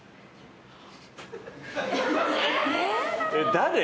誰？